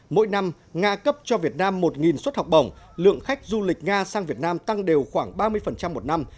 mỗi năm nga cấp cho việt nam một suất học bổng lượng khách du lịch nga sang việt nam tăng đều khoảng ba mươi một năm